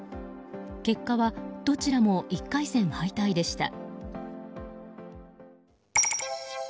結果はどちらも１回戦敗退でした。